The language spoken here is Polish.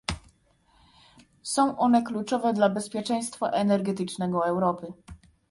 Są one kluczowe dla bezpieczeństwa energetycznego Europy